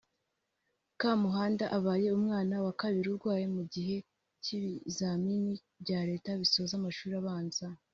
Kamuhanda abaye umwana wa kabiri urwaye mu gihe cy’ibizamini bya leta bisoza amashuri abanza